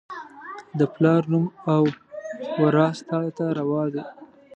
د پلار نوم او، وراث تا ته روا دي